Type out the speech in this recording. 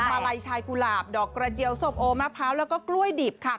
มาลัยชายกุหลาบดอกกระเจียวส้มโอมะพร้าวแล้วก็กล้วยดิบค่ะ